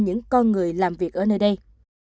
những con người làm việc ở nơi đây